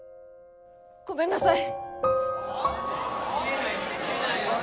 ごめんなさい